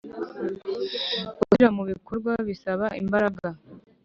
Gushyira mu bikorwa bisaba imbaraga.